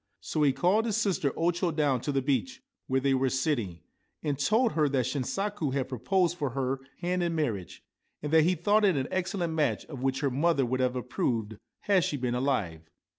So he called his sister O Cho down to the beach, where they were sitting, and told her that Shinsaku had proposed for her hand in marriage, and that he thought it an excellent match, of which her mother would have approved had she been alive.